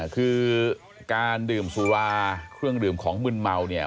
คือการดื่มสุราเครื่องดื่มของมึนเมาเนี่ย